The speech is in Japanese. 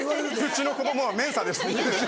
「うちの子供はメンサです」。